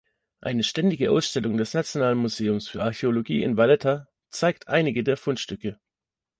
Eine ständige Ausstellung des Nationalen Museums für Archäologie in Valletta zeigt einige der Fundstücke.